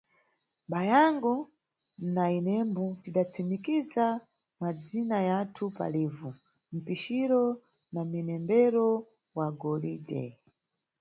Bayangu na inembo tidatsimikiza madzina yathu pa livu mpiciro na mnembero wa golide.